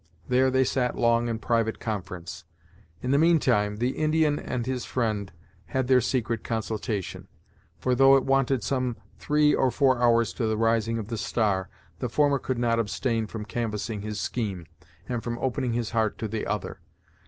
There they sat long in private conference. In the mean time, the Indian and his friend had their secret consultation; for, though it wanted some three or four hours to the rising of the star, the former could not abstain from canvassing his scheme, and from opening his heart to the other.